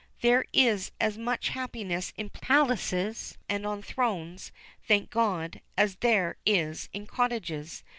There is as much happiness in palaces and on thrones, thank God, as there is in cottages.